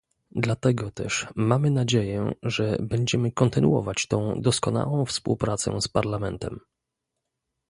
Dlatego też mamy nadzieję, że będziemy kontynuować tą doskonałą współpracę z Parlamentem